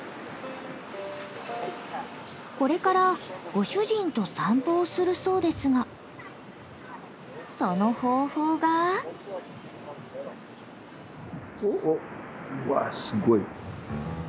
これからご主人と散歩をするそうですがその方法が。わすごい！